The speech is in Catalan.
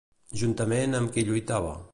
Juntament amb qui lluitava?